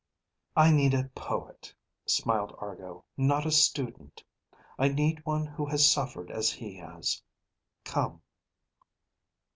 "I need a poet," smiled Argo, "not a student. I need one who has suffered as he has. Come."